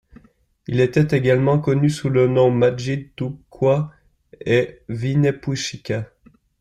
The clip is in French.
Il était également connu sous le nom madjid-tugh-qua et Wynepuechsika.